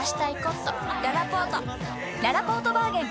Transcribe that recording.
ららぽーとバーゲン開催！